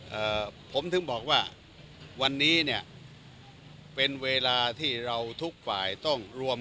เอ่อผมถึงบอกว่าวันนี้เนี่ยเป็นเวลาที่เราทุกฝ่ายต้องรวม